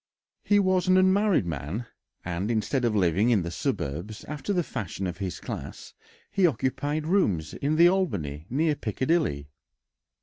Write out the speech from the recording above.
He was an unmarried man, and instead of living in the suburbs, after the fashion of his class, he occupied rooms in the Albany, near Piccadilly.